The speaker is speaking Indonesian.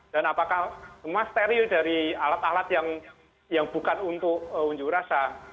dan apakah semua steril dari alat alat yang bukan untuk unjuk rasa